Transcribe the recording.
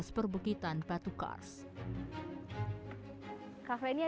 seimbang bersama sekarang